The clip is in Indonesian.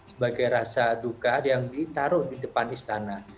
sebagai rasa duka yang ditaruh di depan istana